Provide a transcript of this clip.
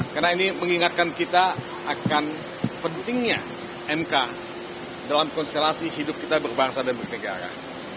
karena ini mengingatkan kita akan pentingnya mk dalam konstelasi hidup kita berbangsa dan bernegara